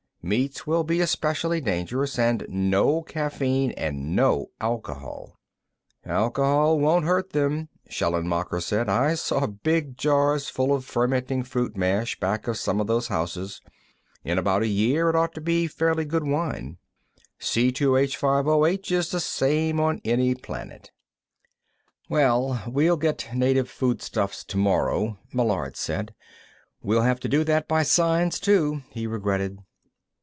"Meats will be especially dangerous. And no caffeine, and no alcohol." "Alcohol won't hurt them," Schallenmacher said. "I saw big jars full of fermenting fruit mash back of some of those houses; in about a year, it ought to be fairly good wine. C_H_OH is the same on any planet." "Well, we'll get native foodstuffs tomorrow," Meillard said. "We'll have to do that by signs, too," he regretted.